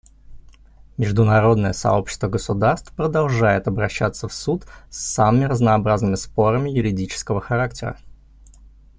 Международное сообщество государств продолжает обращаться в Суд с самыми разнообразными спорами юридического характера.